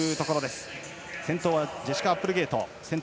先頭はジェシカアップルゲート。